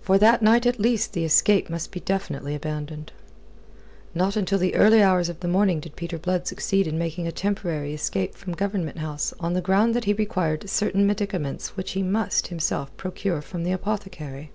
For that night at least the escape must be definitely abandoned. Not until the early hours of the morning did Peter Blood succeed in making a temporary escape from Government House on the ground that he required certain medicaments which he must, himself, procure from the apothecary.